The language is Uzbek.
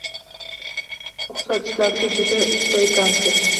“O’xshatishlarga juda usta ekansiz”